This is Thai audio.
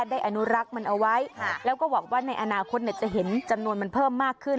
อนุรักษ์มันเอาไว้แล้วก็หวังว่าในอนาคตจะเห็นจำนวนมันเพิ่มมากขึ้น